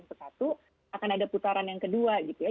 satu akan ada putaran yang kedua gitu ya